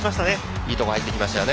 いいところに入ってきましたね。